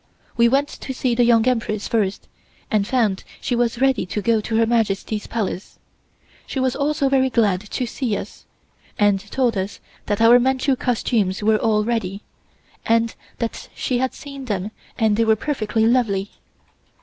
We went to see the Young Empress first, and found she was ready to go to Her Majesty's Palace. She was also very glad to see us, and told us that our Manchu costumes were all ready, and that she had seen them and they were perfectly lovely.